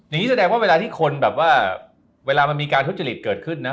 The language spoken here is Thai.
แสดงว่าเวลาที่คนแบบว่าเวลามันมีการทุจริตเกิดขึ้นนะ